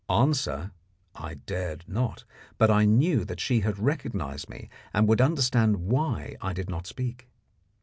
Answer I dared not, but I knew that she had recognised me and would understand why I did not speak.